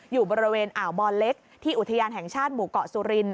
อยู่บริเวณอ่าวบอลเล็กที่อุทยานแห่งชาติหมู่เกาะสุริน